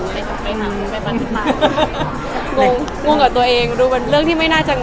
งงกับตัวเองดูเป็นเรื่องที่ไม่น่าจะงงอ่ะ